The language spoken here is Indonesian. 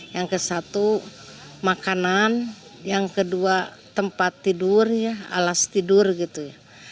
yang ke satu makanan yang kedua tempat tidur ya alas tidur gitu ya